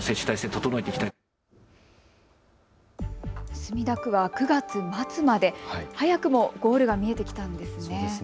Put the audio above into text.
墨田区は９月末まで、早くもゴールが見えてきたんですね。